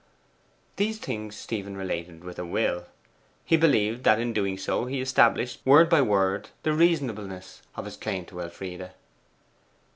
These things Stephen related with a will. He believed that in doing so he established word by word the reasonableness of his claim to Elfride.